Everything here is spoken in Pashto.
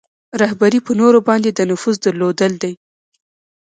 رهبري په نورو باندې د نفوذ درلودل دي.